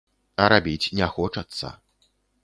А рабіць не хочацца.